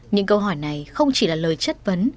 những câu hỏi này không chỉ là lời chất vấn